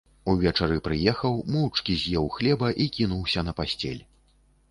Увечары прыехаў, моўчкі з'еў хлеба і кінуўся на пасцель.